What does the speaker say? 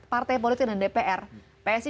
partai politik dan dpr psi